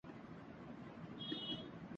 وہ بہت مغرور ہےـ